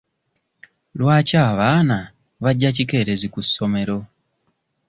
Lwaki abaana bajja kikeerezi ku ssomero?